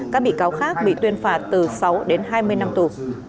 các bị cáo khác bị tuyên phạt từ sáu đến hai mươi năm tù